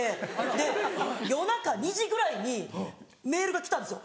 で夜中２時ぐらいにメールが来たんですよ。